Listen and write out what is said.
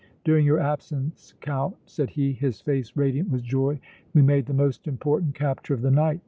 "During your absence, Count," said he, his face radiant with joy, "we made the most important capture of the night!